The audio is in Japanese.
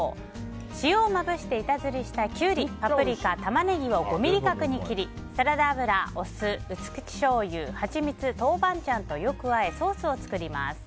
塩をまぶして板ずりしたキュウリパプリカ、タマネギを５ｍｍ角に切りサラダ油、酢、薄口しょうゆハチミツ、豆板醤とよくあえソースを作ります。